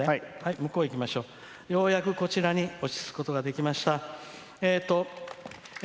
ようやく、こちらに落ち着くことができました。